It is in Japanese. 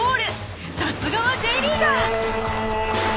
さすがはＪリーガー